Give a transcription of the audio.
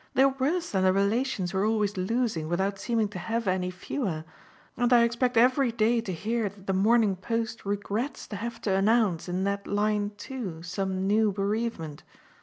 They're worse than the relations we're always losing without seeming to have any fewer, and I expect every day to hear that the Morning Post regrets to have to announce in that line too some new bereavement.